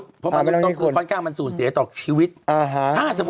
ขอดูก่อน